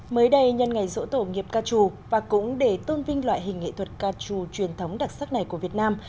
mới đây nhân ngày dỗ tổ nghiệp ca trù và cũng để tôn vinh loại hình nghệ thuật ca trù truyền thống đặc sắc này của việt nam